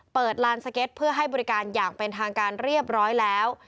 ลานสเก็ตเพื่อให้บริการอย่างเป็นทางการเรียบร้อยแล้ว